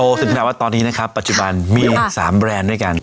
ถึงขนาดว่าตอนนี้นะครับปัจจุบันมี๓แบรนด์ด้วยกัน